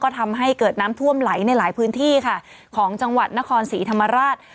ทำให้เกิดน้ำท่วมไหลในหลายพื้นที่ค่ะของจังหวัดนครศรีธรรมราช